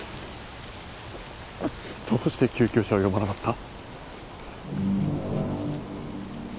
どうして救急車を呼ばなかった？